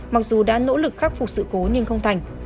mặc dù đã nỗ lực khắc phục sự cố nhưng không thành